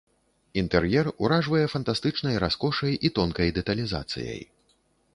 Інтэр'ер уражвае фантастычнай раскошай і тонкай дэталізацыяй.